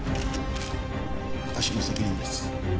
私の責任です。